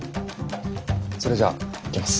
それじゃあいきます。